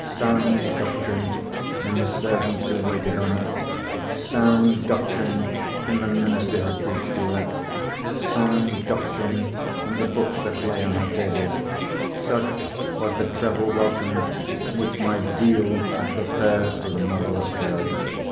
Sound doctrine in the servants who waited on her; sound doctrine in the minister who preached to her; sound doctrine in the books that lay on her table—such was the treble welcome which my zeal had prepared for the motherless girl!